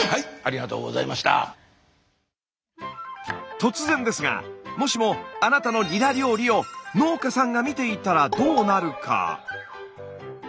突然ですがもしもあなたのニラ料理を農家さんが見ていたらどうなるか。